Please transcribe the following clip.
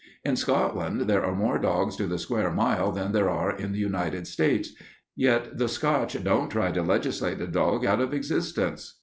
In Scotland there are more dogs to the square mile than there are in the United States, yet the Scotch don't try to legislate the dog out of existence.